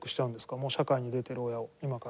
もう社会に出てる親を今から。